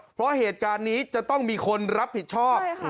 เพราะเหตุการณ์นี้จะต้องมีคนรับผิดชอบ